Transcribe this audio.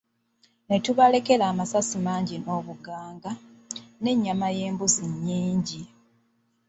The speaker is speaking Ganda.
Ne tubalekera amasasi mangi n'obuganga, n'ennyama y'embuzi nnyingi.